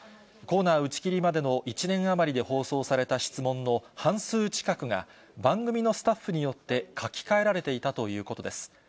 コーナー打ち切りまでの１年余りで放送された質問の半数近くが、番組のスタッフによって書き換えられていたということです。